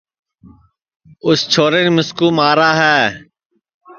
راجوان مِسکُو مارا ہے